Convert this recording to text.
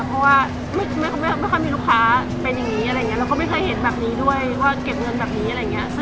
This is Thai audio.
เพราะว่าไม่ค่อยมีลูกค้าเป็นอย่างนี้อะไรอย่างนี้เราก็ไม่เคยเห็นแบบนี้ด้วยว่าเก็บเงินแบบนี้อะไรอย่างนี้